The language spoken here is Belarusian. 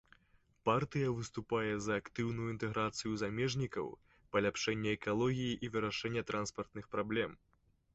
Партыя выступае за актыўную інтэграцыю замежнікаў, паляпшэнне экалогіі і вырашэнне транспартных праблем.